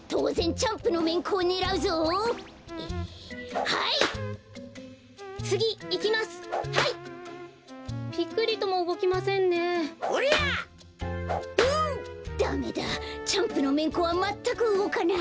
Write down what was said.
チャンプのめんこはまったくうごかない。